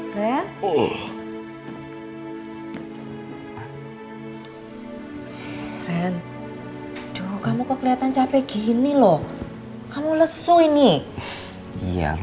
belum bukan masih di bawah umur